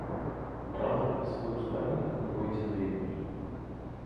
Брала на свой успамінак пройдзеныя дні.